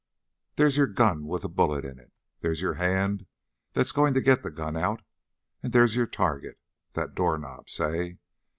There's your gun with a bullet in it; there's your hand that's going to get the gun out; and there's your target that doorknob, say!